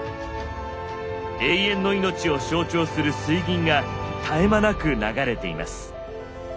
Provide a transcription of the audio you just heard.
「永遠の命」を象徴する水銀が絶え間なく流れています。